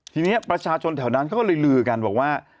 ทีนี้ประชาชนแถวนั้นเขาก็เลยลือกันบอกว่า